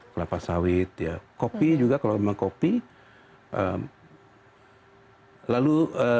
kelapa sawit ya kopi juga kalau memang kopi lalu